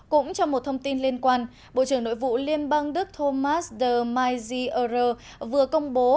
cũng trong một thông tin liên quan bộ trưởng nội vụ liên bang đức thomas de maiziere vừa công bố